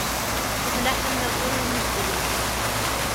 Temleḥ, am waggur iwumi zzin yitran.